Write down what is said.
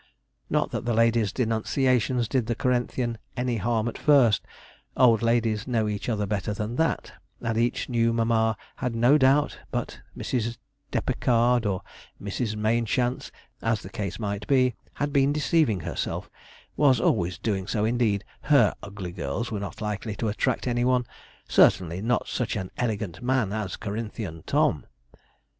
Not that the ladies' denunciations did the Corinthian any harm at first old ladies know each other better than that; and each new mamma had no doubt but Mrs. Depecarde or Mrs. Mainchance, as the case might be, had been deceiving herself 'was always doing so, indeed; her ugly girls were not likely to attract any one certainly not such an elegant man as Corinthian Tom.'